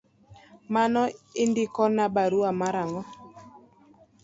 Mano indikona barua mar ang’o?